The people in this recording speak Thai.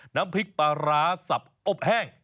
น้ำพริกปลาร้าสับอบแห้ง